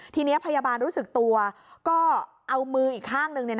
ทีนี้พยาบาลรู้สึกตัวก็เอามืออีกข้างหนึ่ง